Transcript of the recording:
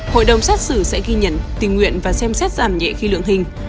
hội đồng xét xử sẽ ghi nhận tình nguyện và xem xét giảm nhẹ khi lượng hình